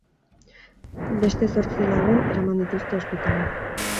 Beste zortzi lagun eraman dituzte ospitalera.